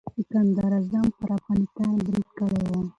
سکندر اعظم پر افغانستان برید کړی و.